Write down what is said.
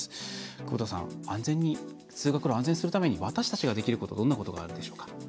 久保田さん、通学路を安全にするために私たちができることはどんなことがあるでしょうか？